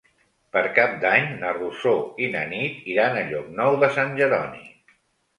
Per Cap d'Any na Rosó i na Nit iran a Llocnou de Sant Jeroni.